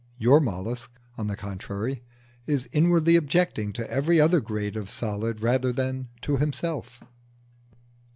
Your mollusc, on the contrary, is inwardly objecting to every other grade of solid rather than to himself.